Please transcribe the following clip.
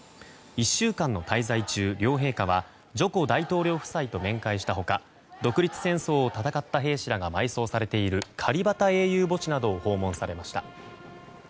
１週間の滞在中両陛下はジョコ大統領夫妻と面会した他独立戦争を戦った兵士らが埋葬されているカリバタ英雄墓地などを訪問されました。